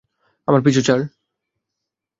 আমার পিছু ছাড়।